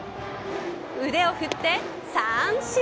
腕を振って三振。